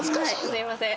すいません。